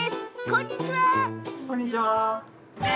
こんにちは！